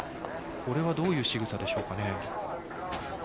これはどういうしぐさでしょうか。